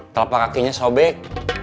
telapak kakinya sobek